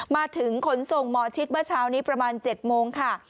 มาถึงขนส่งหมอชิดเมื่อเช้านี้ประมาณ๗โมงค่ะ